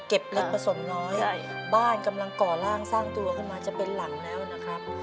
เล็กผสมน้อยบ้านกำลังก่อล่างสร้างตัวเข้ามาจะเป็นหลังแล้วนะครับ